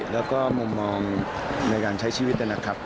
แล้วก็มุมมองในการใช้ชีวิตนะครับ